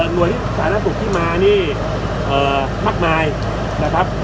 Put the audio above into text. หน่วยสาธารณสุขที่มานี่มากมายนะครับ